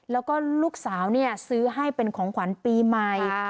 แล้วก็ลูกสาวซื้อให้เป็นของขวัญปีใหม่